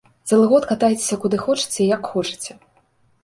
Цэлы год катайцеся куды хочаце і як хочаце.